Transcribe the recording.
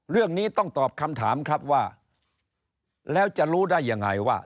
เรื่องนี้ต้องตอบคำถามครับว่าแล้วจะรู้ได้ยังไงว่า